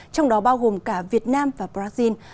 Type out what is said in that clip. trong đó bao gồm cả việt nam và brazil